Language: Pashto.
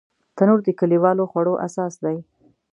تنور د کلیوالو خوړو اساس دی